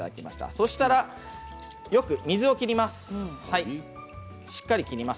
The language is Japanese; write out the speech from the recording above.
そしたら、よく水を切ります。